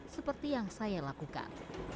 seperti yang saya lakukan